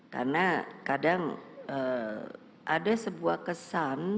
karena kadang ada sebuah kesan